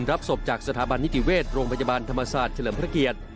รับศพจากสถาบันนิติเวชโรงพยาบาลธรรมศาสตร์เฉลิมพระเกียรติ